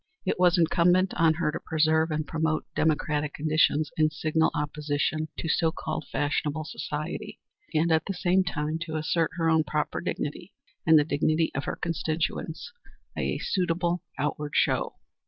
It was incumbent on her to preserve and promote democratic conditions in signal opposition to so called fashionable society, and at the same time to assert her own proper dignity and the dignity of her constituents by a suitable outward show.